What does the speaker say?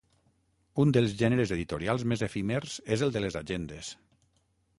Un dels gèneres editorials més efímers és el de les agendes.